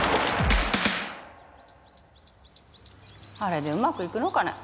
あれでうまくいくのかね。